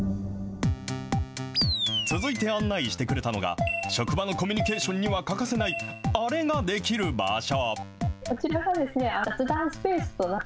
続いて案内してくれたのが、職場のコミュニケーションには欠かせないあれができる場所。